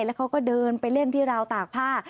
แล้วเขาก็เดินไปเล่นที่ราวตากผ้า